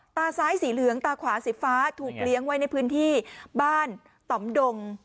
ตาซ้ายสีเหลืองตาขวาสีฟ้าถูกเลี้ยงไว้ในพื้นที่บ้านต่อมดง